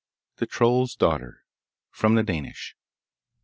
The Troll's Daughter From the Danish.